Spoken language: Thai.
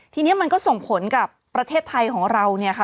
ทีนี้มันก็ส่งผลกับประเทศไทยของเราเนี่ยค่ะ